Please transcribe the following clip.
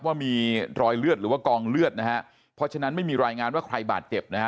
ว่ามีรอยเลือดหรือว่ากองเลือดนะฮะเพราะฉะนั้นไม่มีรายงานว่าใครบาดเจ็บนะฮะ